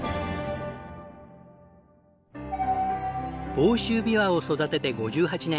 房州びわを育てて５８年。